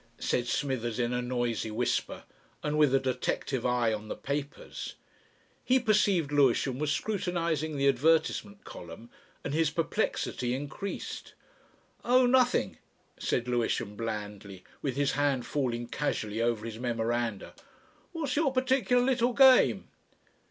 said Smithers in a noisy whisper and with a detective eye on the papers. He perceived Lewisham was scrutinising the advertisement column, and his perplexity increased. "Oh nothing," said Lewisham blandly, with his hand falling casually over his memoranda; "what's your particular little game?"